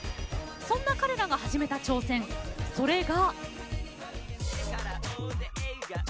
そんな彼らが始めた挑戦それが。